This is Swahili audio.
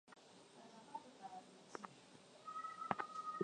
Uvunaji hutofautiana kutoka shamba hadi shamba